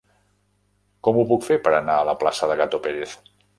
Com ho puc fer per anar a la plaça de Gato Pérez?